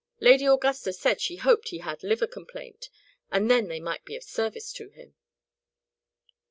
Lady Augusta said she hoped he had liver complaint, and then they might be of service to him."